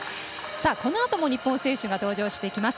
このあとも日本選手が登場してきます。